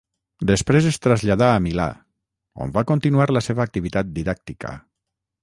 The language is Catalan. Després es traslladà a Milà, on va continuar la seva activitat didàctica.